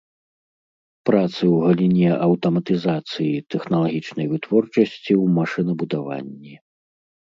Працы ў галіне аўтаматызацыі тэхналагічнай вытворчасці ў машынабудаванні.